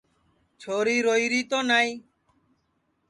چھوری روئیری تو نائی